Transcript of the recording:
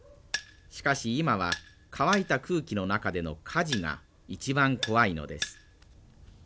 しかし今は乾いた空気の中での火事が一番怖いのです。